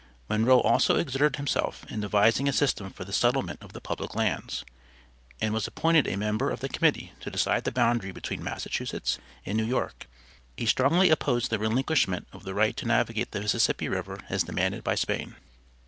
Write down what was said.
Monroe also exerted himself in devising a system for the settlement of the public lands, and was appointed a member of the committee to decide the boundary between Massachusetts and New York. He strongly opposed the relinquishment of the right to navigate the Mississippi river as demanded by Spain.